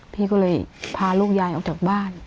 พี่ก็เลยพาลูกยายออกจากบ้าน